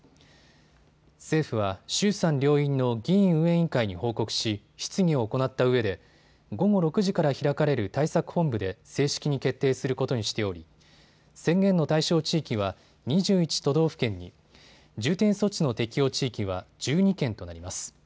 政府は衆参両院の議院運営委員会に報告し、質疑を行ったうえで午後６時から開かれる対策本部で正式に決定することにしており宣言の対象地域は２１都道府県に、重点措置の適用地域は１２県となります。